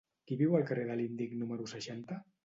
Qui viu al carrer de l'Índic número seixanta?